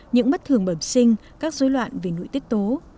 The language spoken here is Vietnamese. những bất thường bẩm sinh các dối loạn về nội tiết tố